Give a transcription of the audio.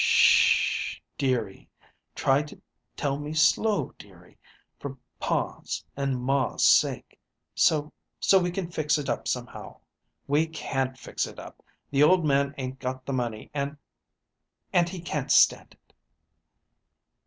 "'Sh h h, dearie! Try to tell me slow, dearie, for pa's and ma's sake, so so we can fix it up somehow." "We can't fix it up. The old man 'ain't got the money and and he can't stand it."